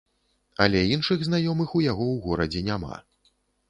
Але іншых знаёмых у яго ў горадзе няма.